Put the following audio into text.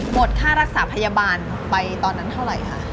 ค่ารักษาพยาบาลไปตอนนั้นเท่าไหร่คะ